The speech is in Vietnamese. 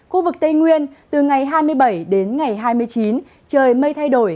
khu vực tây nguyên từ ngày hai mươi bảy đến ngày hai mươi chín trời mây thay đổi